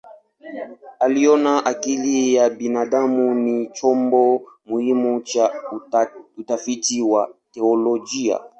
Aliona akili ya binadamu ni chombo muhimu cha utafiti wa teolojia.